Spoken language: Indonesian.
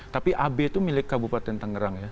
tapi ab itu milik kabupaten tangerang ya